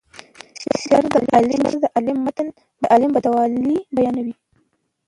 شر د عالیم شر د عالیم متل د عالم بدوالی بیانوي